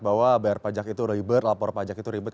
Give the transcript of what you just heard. bahwa bayar pajak itu ribet lapor pajak itu ribet